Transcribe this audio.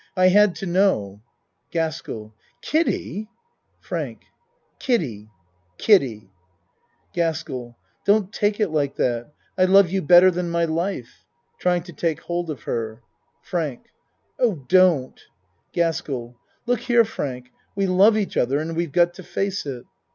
I had to know. GASKELL Kiddie ! FRANK Kiddie Kiddie. GASKELL Don't take it like that. I love you better than my life. (Trying to take hold of her.) FRANK Oh, don't. GASKELL Look here, Frank, we love each oth er, and we've got to face it.